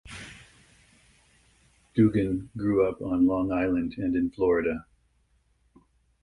Dugan grew up on Long Island and in Florida.